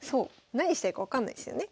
何したいか分かんないですよね。